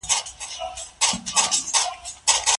رحمان بابا د خپل وخت ټولنې د حالاتو سره پوه و.